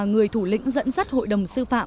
người thủ lĩnh dẫn dắt hội đồng sư phạm